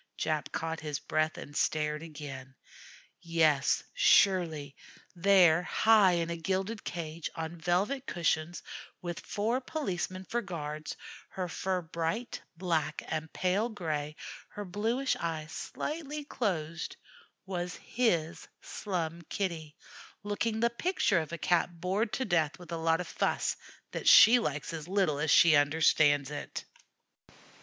Jap caught his breath and stared again. Yes, surely; there, high in a gilded cage, on velvet cushions, with four policemen for guards, her fur bright black and pale gray, her bluish eyes slightly closed, was his Slum Kitty, looking the picture of a Cat bored to death with a lot of fuss that she likes as little as she understands it.